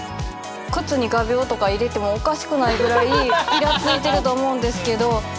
靴に画びょうとか入れてもおかしくないぐらいいらついてると思うんですけど。